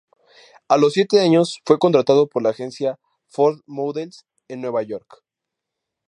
A los siete años fue contratado por la agencia Ford Models en Nueva York.